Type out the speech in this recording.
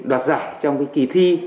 đoạt giải trong kỳ thi